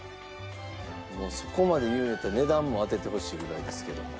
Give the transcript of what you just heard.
そこまで言うんやったら値段も当ててほしいぐらいですけど。